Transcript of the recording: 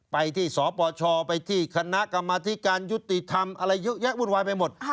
ไปที่สปชไปที่คณะกรรมธิการยุติธรรมอะไรเยอะแยะวุ่นวายไปหมด